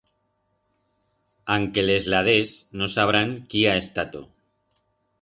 Anque les la des, no sabrán quí ha estato.